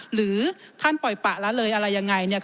หรือท่านปล่อยปะละเลยอะไรยังไงเนี่ย